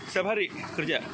setiap hari kerja